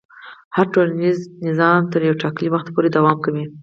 هر ټولنیز نظام تر یو ټاکلي وخته پورې دوام کوي.